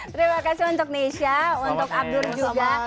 terima kasih untuk nesha untuk abdur juga